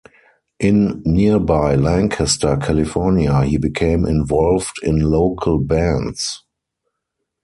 In nearby Lancaster, California, he became involved in local bands.